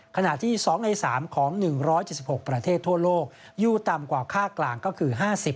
ขณะที่๒ใน๓ของ๑๗๖ประเทศทั่วโลกอยู่ต่ำกว่าค่ากลางก็คือ๕๐